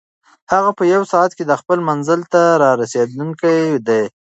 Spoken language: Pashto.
هغه په یوه ساعت کې خپل منزل ته رارسېدونکی دی.